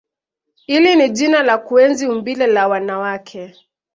Hili ni jina la kuenzi umbile la wanawake